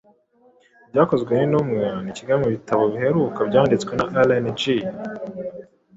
Ibyakozwe n’Intumwa ni kimwe mu bitabo biheruka byanditswe na Ellen G .